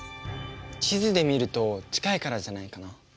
地図で見ると近いからじゃないかな？